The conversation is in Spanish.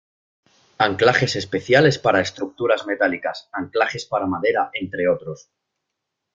Anclajes especiales para estructuras metálicas, anclajes para madera, entre otros.